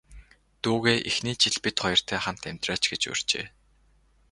Дүүгээ эхний жил бид хоёртой хамт амьдраач гэж урьжээ.